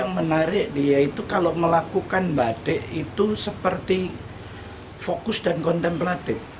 yang menarik dia itu kalau melakukan batik itu seperti fokus dan kontemplatif